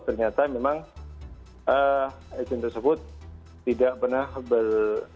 ternyata memang izin tersebut tidak pernah ber